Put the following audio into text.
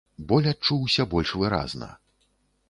Боль адчуўся больш выразна.